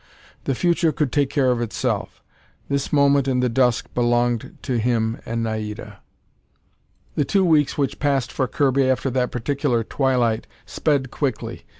The future could take care of itself. This moment in the dusk belonged to him and Naida. The two weeks which passed for Kirby after that particular twilight sped quickly.